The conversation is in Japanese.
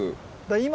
今。